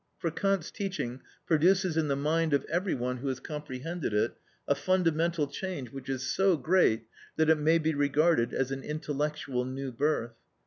For Kant's teaching produces in the mind of every one who has comprehended it a fundamental change which is so great that it may be regarded as an intellectual new birth.